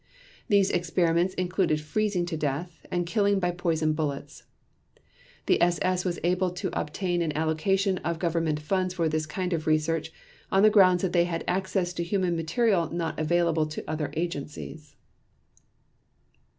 These experiments included freezing to death, and killing by poison bullets. The SS was able to obtain an allocation of Government funds for this kind of research on the grounds that they had access to human material not available to other agencies.